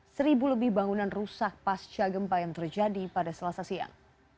seribu lebih bangunan rusak pasca gempa yang terjadi pada selasa siang